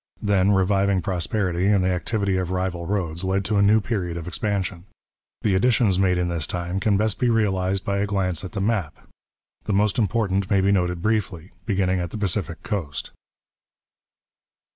Then reviving prosperity and the activity of rival roads led to a new period of expansion. The additions made in this time can best be realized by a glance at the map (opposite next page). The most important may be noted briefly, beginning at the Pacific coast.